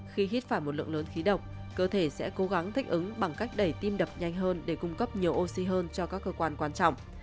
khi hít phải một lượng lớn khí độc cơ thể sẽ cố gắng thích ứng bằng cách đẩy tim đập nhanh hơn để cung cấp nhiều oxy hơn cho các cơ quan quan trọng